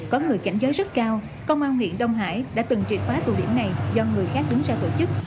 công an huyện đông hải đã từng trị phá tù điểm này do người khác đứng ra tổ chức